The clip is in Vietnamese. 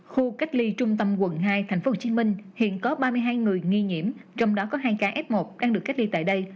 khu cách ly trung tâm quận hai tp hcm hiện có ba mươi hai người nghi nhiễm trong đó có hai ca f một đang được cách ly tại đây